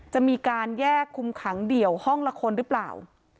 จะมีการแยกคุมขังเดี่ยวห้องละคนหรือเปล่า